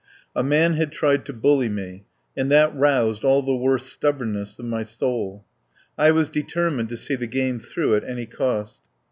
A man had tried to bully me, and that roused all the worst stubbornness of my soul. I was determined to see the game through at any cost.